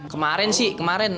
kemarin sih kemarin